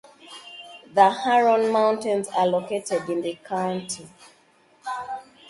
The Huron Mountains are located in the county.